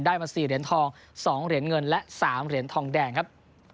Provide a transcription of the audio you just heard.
มา๔เหรียญทอง๒เหรียญเงินและ๓เหรียญทองแดงครับ